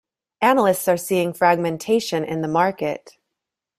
Analysts are seeing fragmentation in the market.